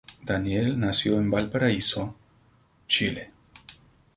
Daniell nació en Valparaíso, Chile.